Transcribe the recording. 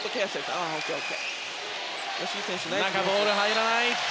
中、ボールが入らない。